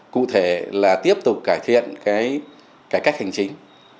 cụ thể là tiếp tục cải thiện cái cách hành chính